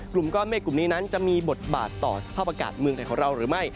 กลุ่มก้อนเมฆกลุ่มนี้นั้นจะมีบทบาทต่อสภาพอากาศเมืองไทยของเราหรือไม่